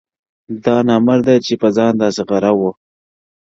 • دا نامرده چي په ځان داسي غره دی,